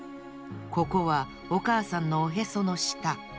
ここはおかあさんのおへそのした。